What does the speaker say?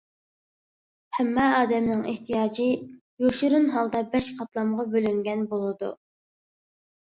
ھەممە ئادەمنىڭ ئېھتىياجى يوشۇرۇن ھالدا بەش قاتلامغا بۆلۈنگەن بولىدۇ.